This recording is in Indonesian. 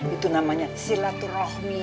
itu namanya silaturahmi